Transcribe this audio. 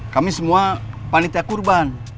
kami semua panitia kurban